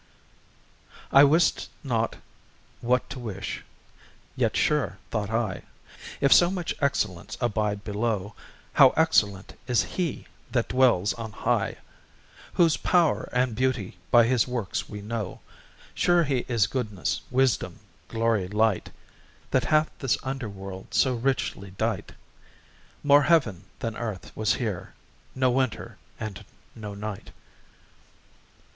I wist not what to wish, yet sure, thought I, If so much excellence abide below, How excellent is He that dwells on high! Whose power and beauty by his works we know; Sure he is goodness, wisdom, glory, light, That hath this underworld so richly dight: More Heaven than Earth was here, no winter and no night.